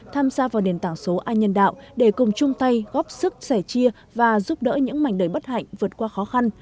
tham gia vào nền tảng số ai nhân đạo để cùng chung tay góp sức sẻ chia và giúp đỡ những mảnh đời bất hạnh vượt qua khó khăn